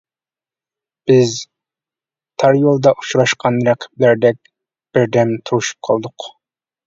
بىز تار يولدا ئۇچراشقان رەقىبلەردەك بىردەم تۇرۇشۇپ قالدۇق.